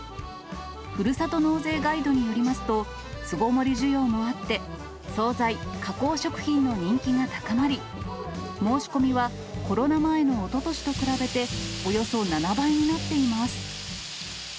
ふるさと納税ガイドによりますと、巣ごもり需要もあって、総菜・加工食品の人気が高まり、申し込みはコロナ前のおととしと比べておよそ７倍になっています。